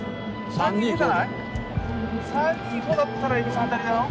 ３−２−５だったら蛭子さん当たりだよ。